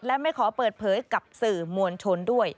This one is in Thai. และไม่ขอเปิดเผยกับสื่อมวลชนด้วย